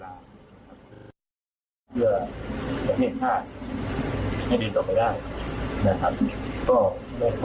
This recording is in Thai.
แล้วเมื่ออีกนึงก็เติบ